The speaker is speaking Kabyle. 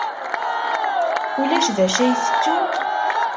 Ulac d acu ay tettum?